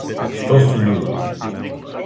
Што су људи!